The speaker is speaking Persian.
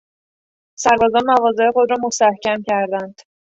سربازان مواضع خود را مستحکم کردند.